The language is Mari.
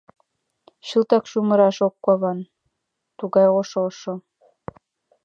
Чылтак чумыраш кок кавун — тугай ошо-ошо.